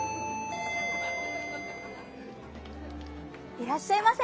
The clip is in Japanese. いらっしゃいませ。